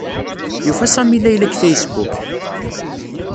Yufa Sami Layla deg Facebook.